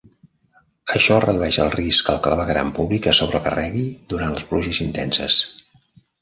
Això redueix el risc que el clavegueram públic es sobrecarregui durant les pluges intenses.